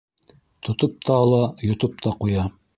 Тотоп та ала — йотоп та ҡуя!